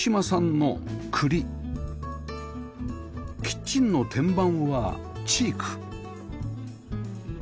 キッチンの天板はチーク